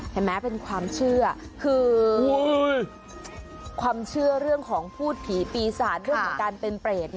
เห็นไหมเป็นความเชื่อคือความเชื่อเรื่องของพูดผีปีศาจเรื่องของการเป็นเปรต